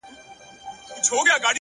هره ورځ د زده کړې نوې موقع ده,